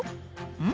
うん？